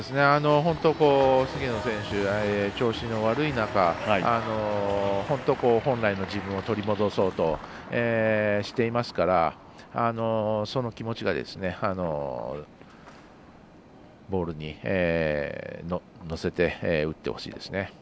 菅野選手、調子の悪い中本来の自分を取り戻そうとしていますからその気持ちをボールに乗せて打ってほしいですね。